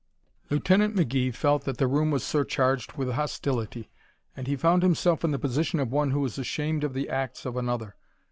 Lieutenant McGee felt that the room was surcharged with hostility, and he found himself in the position of one who is ashamed of the acts of another.